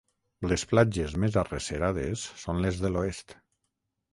Les platges més arrecerades són les de l'oest.